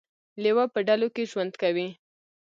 لیوه په ډلو کې ژوند کوي